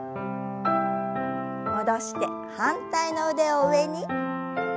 戻して反対の腕を上に。